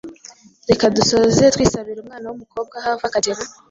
Reka dusoze twisabira umwana w’umukobwa aho ava akagera